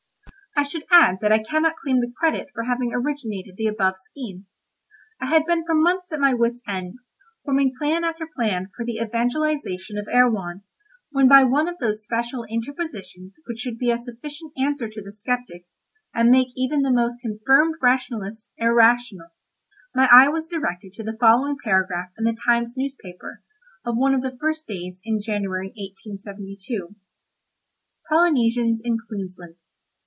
I should add that I cannot claim the credit for having originated the above scheme. I had been for months at my wit's end, forming plan after plan for the evangelisation of Erewhon, when by one of those special interpositions which should be a sufficient answer to the sceptic, and make even the most confirmed rationalist irrational, my eye was directed to the following paragraph in the Times newspaper, of one of the first days in January 1872: "POLYNESIANS IN QUEENSLAND.